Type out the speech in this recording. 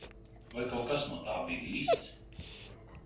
Vai kaut kas no tā bija īsts?